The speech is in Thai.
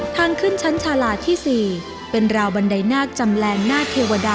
ทางขึ้นชั้นชาลาที่๔เป็นราวบันไดนาคจำแรงหน้าเทวดา